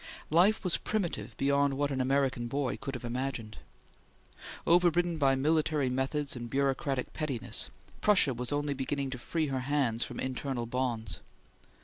Life was primitive beyond what an American boy could have imagined. Overridden by military methods and bureaucratic pettiness, Prussia was only beginning to free her hands from internal bonds.